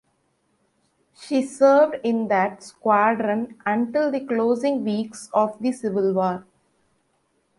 She served in that squadron until the closing weeks of the Civil War.